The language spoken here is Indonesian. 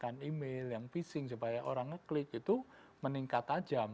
memberikan email yang phishing supaya orang ngeklik itu meningkat tajam